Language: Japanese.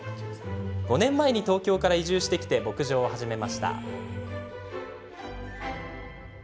５年前に東京から移住してきて牧場を始めました。